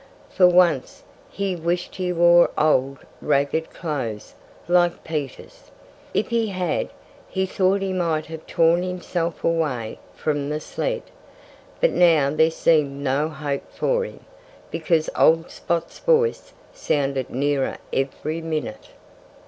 For once, he wished he wore old, ragged clothes, like Peter's. If he had, he thought he might have torn himself away from the sled. But now there seemed no hope for him, because old Spot's voice sounded nearer every minute.